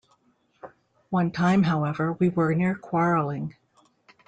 One time, however, we were near quarrelling.